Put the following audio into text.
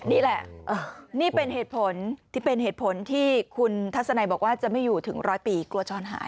นี่แหละนี่เป็นเหตุผลที่เป็นเหตุผลที่คุณทัศนัยบอกว่าจะไม่อยู่ถึงร้อยปีกลัวช้อนหาย